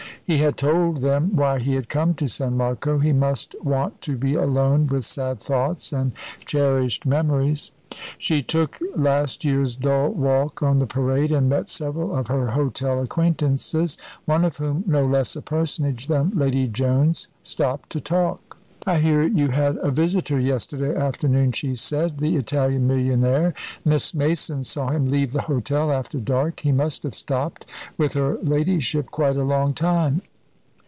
He had told them why he had come to San Marco. He must want to be alone with sad thoughts and cherished memories. She took last year's dull walk on the parade, and met several of her hotel acquaintances, one of whom, no less a personage than Lady Jones, stopped to talk. "I hear you had a visitor yesterday afternoon," she said; "the Italian millionaire. Miss Mason saw him leave the hotel after dark. He must have stopped with her ladyship quite a long time."